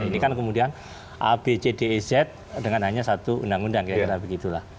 ini kan kemudian a b c d e z dengan hanya satu undang undang